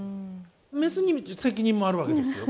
メスに責任もあるわけですよ。